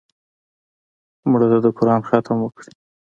مړه ته د قرآن ختم وکړې